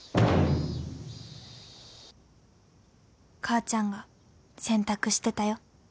「母ちゃんが洗濯してたよ。